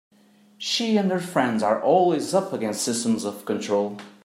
She and her friends are always up against systems of control.